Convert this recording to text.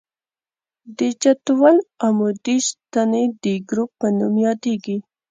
د جدول عمودي ستنې د ګروپ په نوم یادیږي.